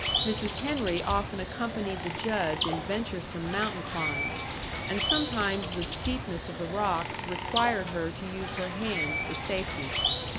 Mrs. Henry often accompanied the Judge in venturesome mountain climbs, and sometimes the steepness of the rocks required her to use her hands for safety.